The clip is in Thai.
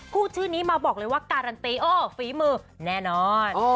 ชื่อนี้มาบอกเลยว่าการันตีเออฝีมือแน่นอน